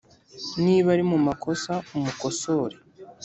niba ari mu makosa umukosore